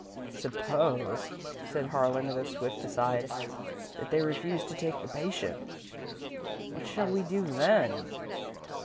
"Suppose," said Harlan, in a swift aside, "that they refuse to take the patient? What shall we do then?"